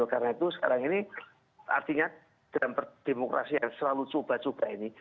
karena itu sekarang ini artinya dalam demokrasi yang selalu cuba cuba ini